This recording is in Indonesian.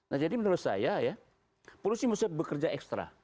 nah jadi menurut saya ya polisi mesti bekerja ekstra